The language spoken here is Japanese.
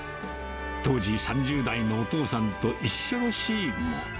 当時、３０代のお父さんと一緒のシーンも。